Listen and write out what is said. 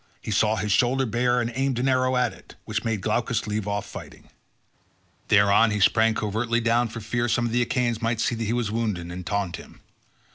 He saw his shoulder bare and aimed an arrow at it, which made Glaucus leave off fighting. Thereon he sprang covertly down for fear some of the Achaeans might see that he was wounded and taunt him.